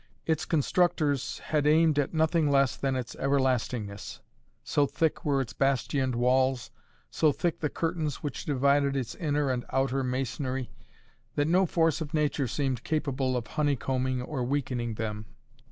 Its constructors had aimed at nothing less than its everlastingness. So thick were its bastioned walls, so thick the curtains which divided its inner and outer masonry, that no force of nature seemed capable of honeycombing or weakening them.